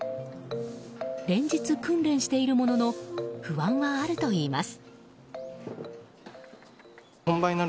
連日、訓練しているものの不安はあるといいます。